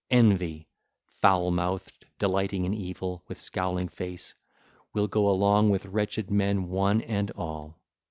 Envy, foul mouthed, delighting in evil, with scowling face, will go along with wretched men one and all.